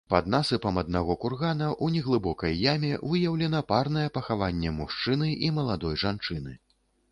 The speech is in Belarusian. Пад насыпам аднаго кургана ў неглыбокай яме выяўлена парнае пахаванне мужчыны і маладой жанчыны.